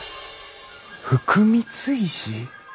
福光石！？